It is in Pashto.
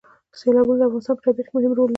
سیلابونه د افغانستان په طبیعت کې مهم رول لري.